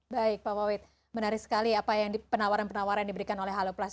baik pak wawid menarik sekali apa yang penawaran penawaran diberikan oleh halo plus